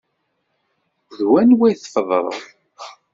D wanwa tefḍreḍ?